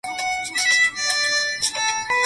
ambayo haithamini utu na inazalisha anasa isiyozuiliwa